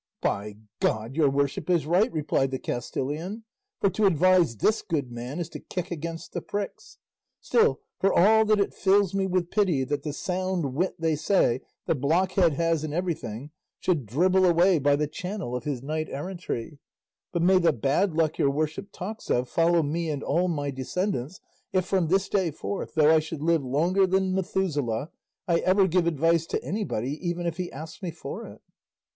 "By God, your worship is right," replied the Castilian; "for to advise this good man is to kick against the pricks; still for all that it fills me with pity that the sound wit they say the blockhead has in everything should dribble away by the channel of his knight errantry; but may the bad luck your worship talks of follow me and all my descendants, if, from this day forth, though I should live longer than Methuselah, I ever give advice to anybody even if he asks me for it."